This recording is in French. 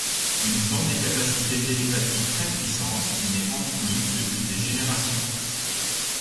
Ils ont des capacités télépathiques très puissantes mais enfouies depuis des générations.